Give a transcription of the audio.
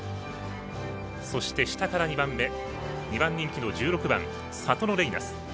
そして、下から２番目２番人気の１６番サトノレイナス。